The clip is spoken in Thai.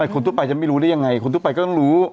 คนทั่วไปจะไม่รู้ได้ยังไงคนทั่วไปก็ต้องรู้